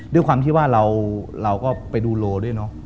ด้วยความที่ว่าเราก็ไปดูโลด้วยเนอะ